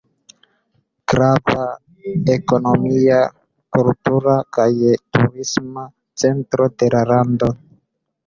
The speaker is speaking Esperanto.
Grava ekonomia, kultura kaj turisma centro de la lando.